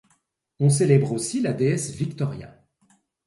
On célèbre aussi la déesse Victoria.